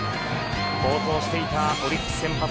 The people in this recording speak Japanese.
好投していたオリックス先発